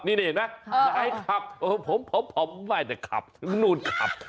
นี่นะนายขับผมไม่แต่ขับนู่นขับ